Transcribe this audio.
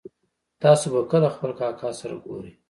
تاسو به کله خپل کاکا سره ګورئ